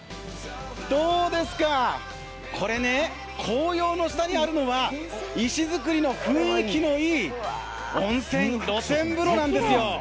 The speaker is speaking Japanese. どうですか、これね、紅葉の下にあるのは石造りの雰囲気のいい温泉、露天風呂なんですよ。